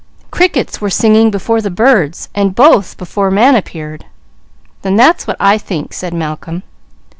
Crickets were singing before the birds, and both before man appeared." "Then that's what I think," said Malcolm.